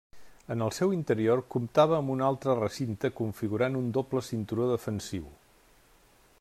En el seu interior comptava amb un altre recinte configurant un doble cinturó defensiu.